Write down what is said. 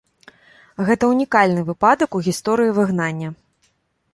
Гэта унікальны выпадак у гісторыі выгнання.